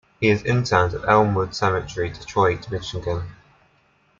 He is interred at Elmwood Cemetery, Detroit, Michigan.